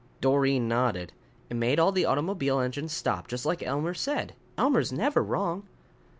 Doreen nodded. "It made all the automobile engines stop, just like Elmer said. Elmer's never wrong."